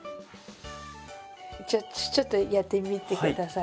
じゃあちょっとやってみて下さい。